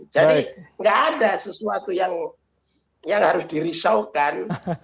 jadi nggak ada sesuatu yang harus dirisaukan